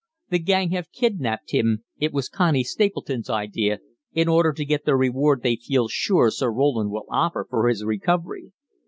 "The gang have kidnapped him it was Connie Stapleton's idea in order to get the reward they feel sure Sir Roland will offer for his recovery.